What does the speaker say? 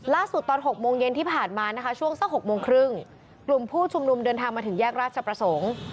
ล่าสุดตอน๐๖๐๐เย็นที่ผ่านมาช่วง๐๖๓๐กลุ่มผู้ชุมนุมเดินทางมาถึงแยกราชประสงค์